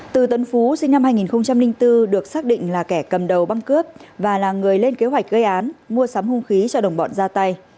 từ tân phú sinh năm hai nghìn bốn được xác định là kẻ cầm đầu băng cướp và là người lên kế hoạch gây án mua sắm hung khí cho đồng bọn ra tay